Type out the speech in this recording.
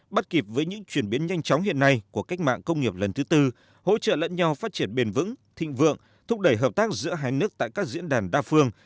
bắt kịp với những chuyển biến nhanh chóng hiện nay của cách mạng công nghiệp lần thứ tư hỗ trợ lẫn nhau phát triển bền vững thịnh vượng thúc đẩy hợp tác giữa hai nước tại các diễn đàn đa phương